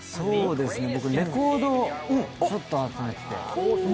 僕、レコードをちょっと集めて。